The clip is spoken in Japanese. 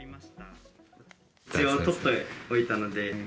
一応取っておいたので。